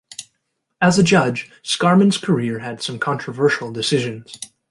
As a judge, Scarman's career had some controversial decisions.